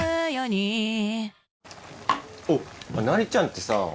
あっ成ちゃんってさ